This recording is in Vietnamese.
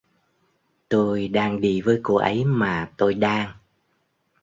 Tôi đang đi với cô ấy mà tôi đang